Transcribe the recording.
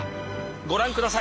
ご覧ください。